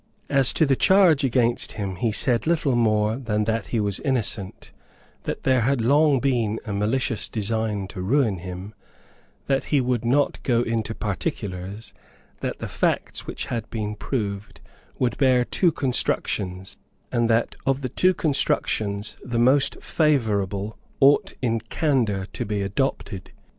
As to the charge against him he said little more than that he was innocent, that there had long been a malicious design to ruin him, that he would not go into particulars, that the facts which had been proved would bear two constructions, and that of the two constructions the most favourable ought in candour to be adopted.